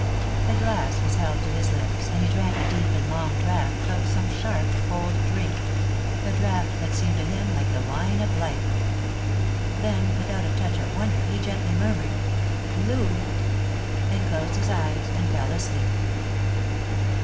A glass was held to his lips, and he drank a deep and long draught of some sharp cold drink ; a draught that seemed to him like the wine of life. Then without a touch of wonder, he gently murmured, " Loo," and closed his eyes and fell asleep.